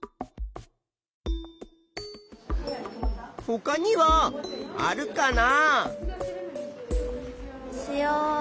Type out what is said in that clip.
ほかにはあるかな？